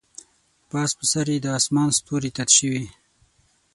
پاس پر سر یې د اسمان ستوري تت شوي